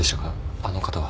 あの方は。